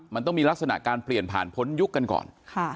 มันต้องมีลักษณะการเปลี่ยนผ่านพ้นยุคกันก่อน